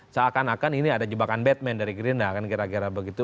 seakan akan ini ada jebakan batman dari gerindra kan kira kira begitu